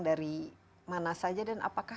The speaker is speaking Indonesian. dari mana saja dan apakah